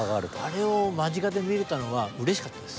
あれを間近で見れたのはうれしかったです。